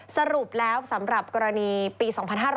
สรุปแล้วสำหรับกรณีปี๒๕๕๙